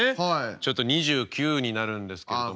ちょっと２９になるんですけども。